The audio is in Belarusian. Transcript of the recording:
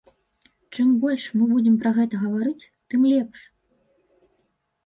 Чым больш мы будзем пра гэта гаварыць, тым лепш.